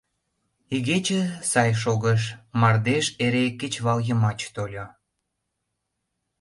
Игече сай шогыш, мардеж эре кечывал йымач тольо.